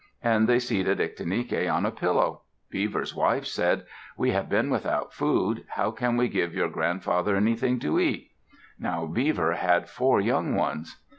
And they seated Ictinike on a pillow. Beaver's wife said, "We have been without food. How can we give your grandfather anything to eat?" Now Beaver had four young ones.